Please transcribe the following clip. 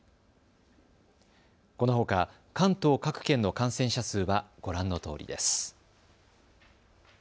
このほか関東各県の感染者数はご覧のとおりです。